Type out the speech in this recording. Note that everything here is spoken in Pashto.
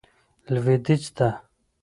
لوېدیځ ته.